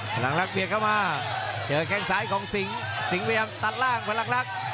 พลังลักษเบียดเข้ามาเจอแข้งซ้ายของสิงสิงห์พยายามตัดล่างพลังลักษณ์